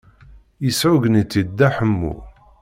Yesɛuggen-itt-id Dda Ḥemmu.